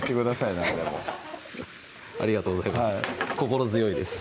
何でもありがとうございます心強いです